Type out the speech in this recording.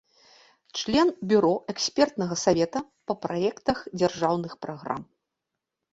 Член бюро экспертнага савета па праектах дзяржаўных праграм.